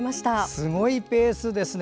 すごいペースですね。